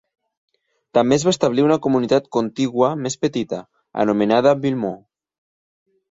També es va establir una comunitat contigua més petita, anomenada Villemont.